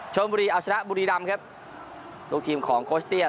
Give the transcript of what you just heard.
ชนบุรีเอาชนะบุรีรำครับลูกทีมของโคชเตี้ย